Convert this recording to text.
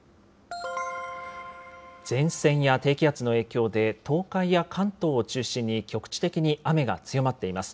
前線や低気圧の影響で、東海や関東を中心に、局地的に雨が強まっています。